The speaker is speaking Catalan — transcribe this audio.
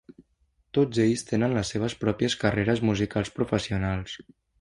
Tots ells tenen les seves pròpies carreres musicals professionals.